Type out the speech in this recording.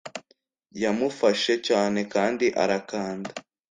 yamufashe cyane kandi arakanda